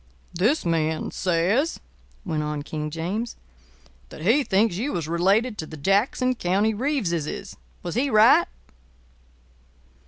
"This man says," went on King James, "that he thinks you was related to the Jackson County Reeveses. Was he right?"